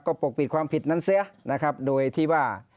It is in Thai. ก็ปกปิดความผิดนั้นเสียนะครับโดยที่ว่า